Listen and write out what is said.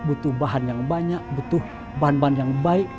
butuh bahan yang banyak butuh bahan bahan yang baik